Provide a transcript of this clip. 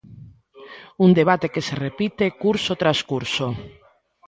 Un debate que se repite curso tras curso.